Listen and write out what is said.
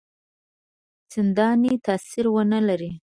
څنداني تاثیر ونه لري.